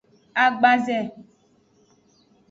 Agbaze.